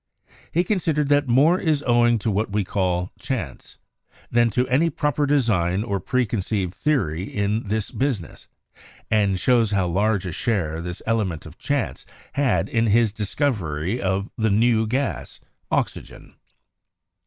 He consid ered that "More is owing to what we call chance ... than to any proper design or preconceived theory in this business," and shows how large a share this element of chance had in his discovery of the new gas, oxygen.